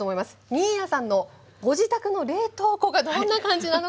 新谷さんのご自宅の冷凍庫がどんな感じなのか